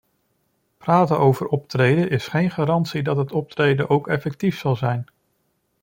Praten over optreden is geen garantie dat het optreden ook effectief zal zijn.